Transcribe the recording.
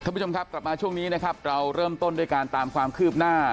คุณผู้ชมครับกลับมาช่วงนี้นะครับเราเริ่มต้นด้วยการตามความคืบหน้า